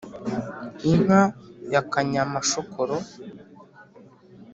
inka ya kanyamashokoro